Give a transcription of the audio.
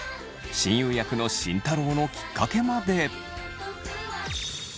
親友役の慎太郎のきっかけまで。